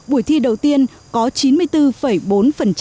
buổi thi đầu tiên có chín mươi bốn bốn thí sinh dự thi